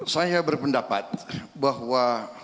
saya berpendapat bahwa